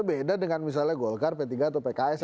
beda dengan misalnya golkar p tiga atau pks